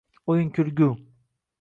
o‘yin-kulgu